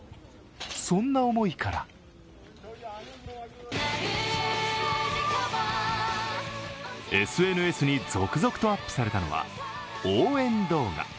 そんな思いからＳＮＳに続々とアップされたのは応援動画。